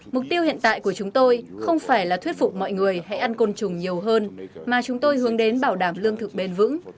mục tiêu hiện tại của chúng tôi không phải là thuyết phục mọi người hãy ăn côn trùng nhiều hơn mà chúng tôi hướng đến bảo đảm lương thực bền vững